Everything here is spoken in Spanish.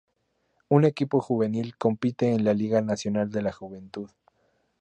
Un equipo juvenil compite en la Liga Nacional de la Juventud.